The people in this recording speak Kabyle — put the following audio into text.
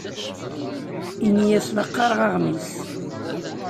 Ini-as la qqareɣ aɣmis.